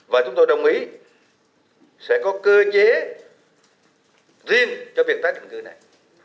và chúng tôi đồng ý sẽ có cơ chế riêng cho việc tái định cư này